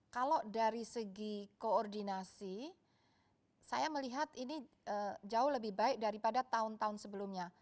kalau dari segi koordinasi saya melihat ini jauh lebih baik daripada tahun tahun sebelumnya